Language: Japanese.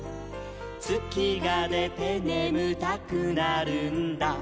「つきがでてねむたくなるんだ」